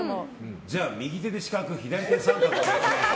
じゃあ右手で四角左手で三角を描く。